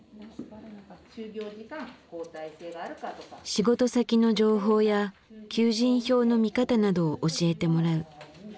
仕事先の情報や求人票の見方などを教えてもらう。